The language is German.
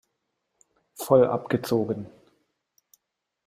Voll abgezogen!